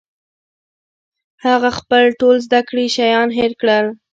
هغه خپل ټول زده کړي شیان هېر کړل